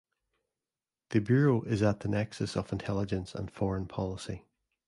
The Bureau is at the nexus of intelligence and foreign policy.